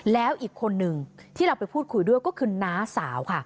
แล้วอีกคนนึงที่เราไปพูดคุยด้วยก็คือน้าสาวค่ะ